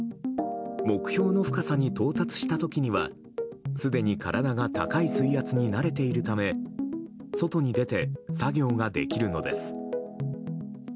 目標の深さに到達した時にはすでに体が高い水圧に慣れているため外に出て作業ができるのです。